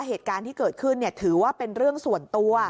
เหตุการณ์ที่เกิดขึ้นถือว่าเป็นเรื่องส่วนตัว